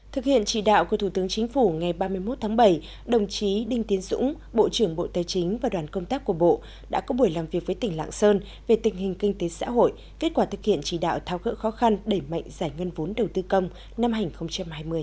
thực hiện chỉ đạo của thủ tướng chính phủ ngày ba mươi một tháng bảy đồng chí đinh tiến dũng bộ trưởng bộ tài chính và đoàn công tác của bộ đã có buổi làm việc với tỉnh lạng sơn về tình hình kinh tế xã hội kết quả thực hiện chỉ đạo thao cỡ khó khăn đẩy mạnh giải ngân vốn đầu tư công năm hai nghìn hai mươi